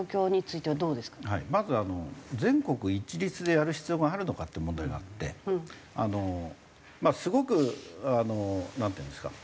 まず全国一律でやる必要があるのかっていう問題があってすごくなんていうんですか